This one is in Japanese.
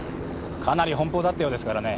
かなり奔放だったようですからね。